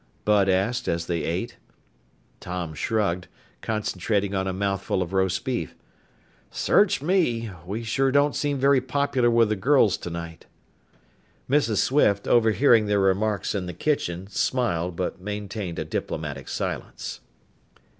Bud asked as they ate. Tom shrugged, concentrating on a mouthful of roast beef. "Search me. We sure don't seem very popular with the girls tonight." Mrs. Swift, overhearing their remarks in the kitchen, smiled but maintained a diplomatic silence.